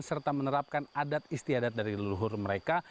serta menerapkan adat istiadat dari leluhur mereka